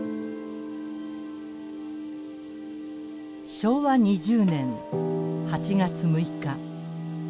昭和２０年８月６日。